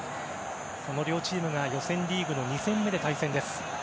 その両チームが予選リーグの２戦目で対戦です。